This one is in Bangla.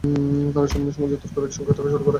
তারা সমন্বয় ও সমঝোতার জন্য একসঙ্গে থাকা শুরু করে।